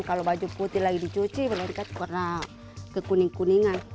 kalau baju putih lagi dicuci melengket ke kuning kuningan